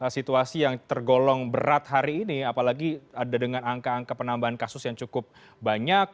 situasi yang tergolong berat hari ini apalagi ada dengan angka angka penambahan kasus yang cukup banyak